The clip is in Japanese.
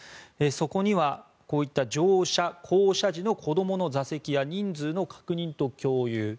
そこにはこういった乗車・降車時の子どもの座席や人数の確認と共有